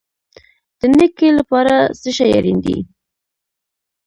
د نیکۍ لپاره څه شی اړین دی؟